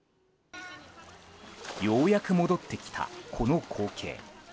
ようやく戻ってきた、この光景。